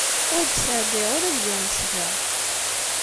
Ur d-sɛeddayeɣ ula d yiwen seg-a.